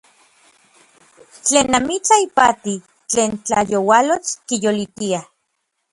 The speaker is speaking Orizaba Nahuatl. Tlen amitlaj ipati tlen tlayoualotl kiyolitia.